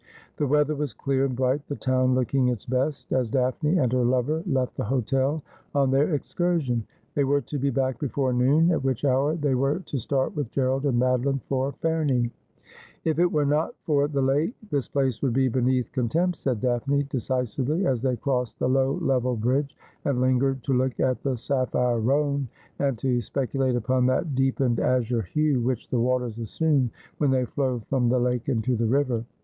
The weather was clear and bright, the town looking its best, as Daphne and her lover left the hotel on their excursion. They were to be back before noon, at which hour they were to start with Gerald and Madoline for Ferney. ' If it were not for the lake this place would be beneath con tempt,' said Daphne decisively, as they crossed the low level bridge, and lingered to look at the sapphire Rhone, and to specu late upon that deepened azure hue which the waters assume when they flow from the lake into the river.